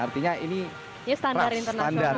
artinya ini ras standar